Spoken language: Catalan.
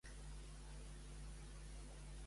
En conclusió, com seguirà Vilaweb?